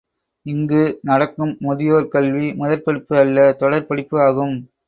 இங்கு நடக்கும் முதியோர் கல்வி, முதற்படிப்பு அல்ல தொடர் படிப்பு ஆகும்.